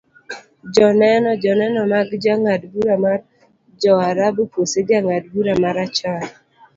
joneno, joneno mag jang'ad bura mar joarabu kose jang'ad bura marachar